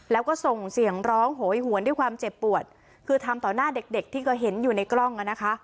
แล้วก็ส่งเสียงร้องโหยหวนด้วยความเจ็บปวดคือทำต่อหน้าเด็กเด็กที่เคยเห็นอยู่ในกล้องอ่ะนะคะ